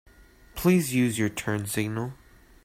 Please use your turn signal.